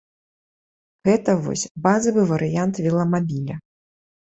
Гэта вось базавы варыянт веламабіля.